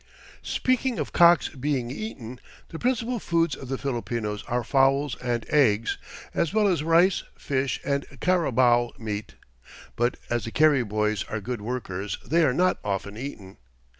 Speaking of cocks being eaten, the principal foods of the Filipinos are fowls and eggs, as well as rice, fish and carabao meat, but as the "carry boys" are good workers they are not often eaten.